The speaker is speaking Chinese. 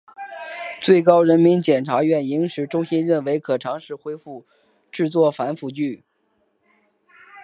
最高人民检察院影视中心认为可尝试恢复制作反腐剧。